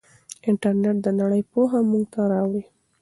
انټرنیټ د نړۍ پوهه موږ ته راوړي.